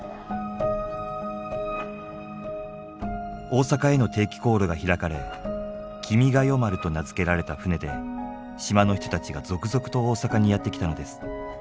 大阪への定期航路が開かれ「君が代丸」と名付けられた船で島の人たちが続々と大阪にやって来たのです。